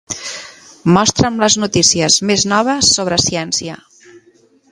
Mostra'm les notícies més noves sobre ciència.